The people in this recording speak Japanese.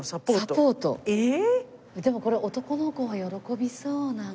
でもこれ男の子は喜びそうなんか。